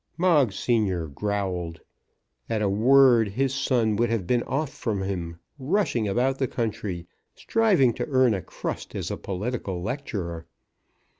Moggs senior growled. At a word his son would have been off from him, rushing about the country, striving to earn a crust as a political lecturer.